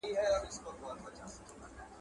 ایا مسلکي بڼوال خندان پسته ساتي؟